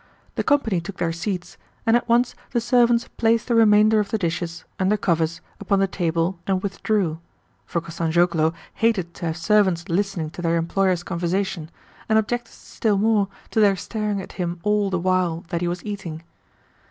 The company took their seats, and at once the servants placed the remainder of the dishes (under covers) upon the table and withdrew, for Kostanzhoglo hated to have servants listening to their employers' conversation, and objected still more to their staring at him all the while that he was eating.